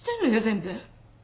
全部。